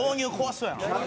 そうやな。